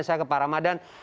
saya ke pak ramadhan